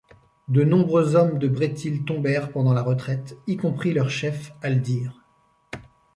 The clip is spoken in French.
De nombreux Hommes de Brethil tombèrent pendant la retraite, y compris leur chef Haldir.